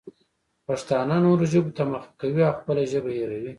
پښتانه نورو ژبو ته مخه کوي او خپله ژبه هېروي.